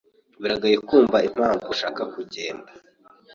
Biragoye kumva impamvu ushaka kugenda.